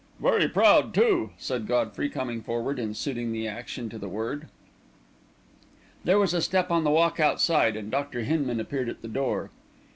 "Very proud, too," said Godfrey, coming forward and suiting the action to the word. There was a step on the walk outside, and Dr. Hinman appeared at the door.